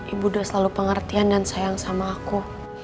ibu selalu pengertian dan sayang sama aku